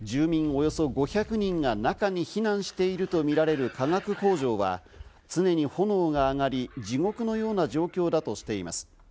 およそ５００人が中に避難しているとみられる化学工場は、常に炎が上がり、地獄のような状況だとしています。